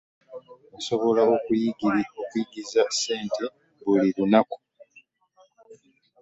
Osobola okuyingiza ssente buli lunaku.